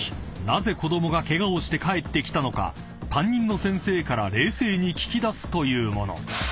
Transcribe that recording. なぜ子供がケガをして帰ってきたのか担任の先生から冷静に聞き出すというもの］